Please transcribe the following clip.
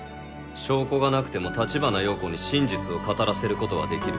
証拠がなくても立花洋子に真実を語らせることはできる。